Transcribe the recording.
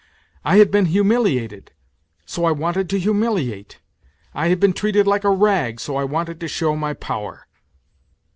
I had been humiliated, so I wanted to humiliate ; I had been treated like a rag, so I wanted to show my power.